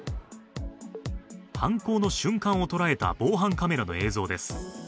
犯行の瞬間を捉えた防犯カメラの映像です。